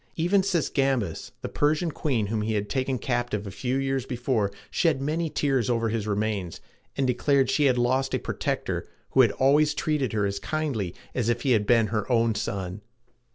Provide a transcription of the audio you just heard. Even Sisygambis, the Persian queen whom he had taken captive a few years before, shed many tears over his remains, and declared she had lost a protector who had always treated her as kindly as if he had been her own son.